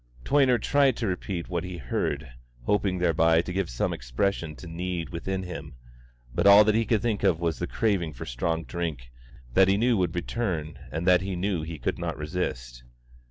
Toyner tried to repeat what he heard, hoping thereby to give some expression to the need within him; but all that he could think of was the craving for strong drink that he knew would return and that he knew he could not resist.